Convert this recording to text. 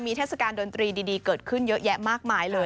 เทศกาลดนตรีดีเกิดขึ้นเยอะแยะมากมายเลย